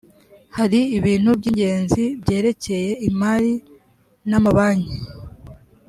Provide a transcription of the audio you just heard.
hari ibintu by’ingenzi byerekeye imari n’ amabanki